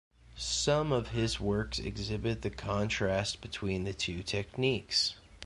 Some of his works exhibit the contrast between the two techniques.